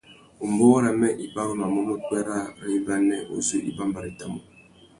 Umbōh râmê i barumanú nà upwê râā râ ibanê uzu i bambarétamú.